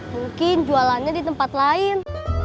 mungkin jualannya di tempat lain